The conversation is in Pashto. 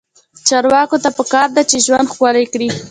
چارواکو ته پکار ده چې، ژوند ښکلی کړي.